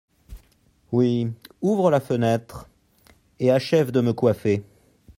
Oui… ouvre la fenêtre… et achève de me coiffer.